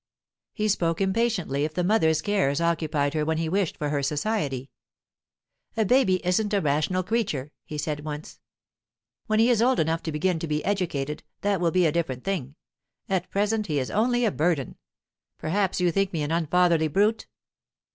He spoke impatiently if the mother's cares occupied her when he wished for her society. "A baby isn't a rational creature," he said once. "When he is old enough to begin to be educated, that will be a different thing. At present he is only a burden. Perhaps you think me an unfatherly brute?"